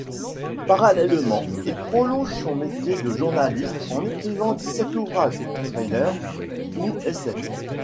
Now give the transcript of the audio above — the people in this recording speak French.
Parallèlement, il prolonge son métier de journaliste en écrivant dix-sept ouvrages, thrillers ou essais.